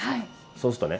そうするとね